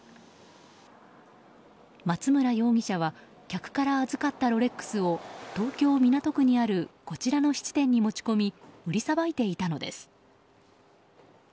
松村容疑者は客から預かったロレックスを東京・港区にあるこちらの質店に持ち込み売りさばいていたのです。